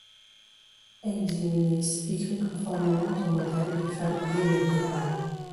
Eiximenis écrit conformément au modèle du fablier médiéval.